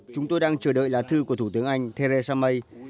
chúng tôi đang chờ đợi là thư của thủ tướng anh theresa may